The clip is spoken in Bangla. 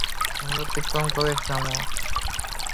আমি অতিক্রম করেছিলামও।